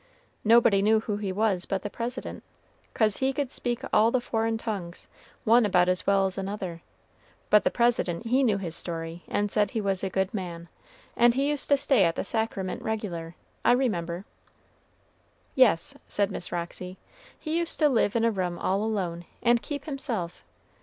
Nobody knew who he was but the President, 'cause he could speak all the foreign tongues one about as well as another; but the President he knew his story, and said he was a good man, and he used to stay to the sacrament regular, I remember." "Yes," said Miss Roxy, "he used to live in a room all alone, and keep himself.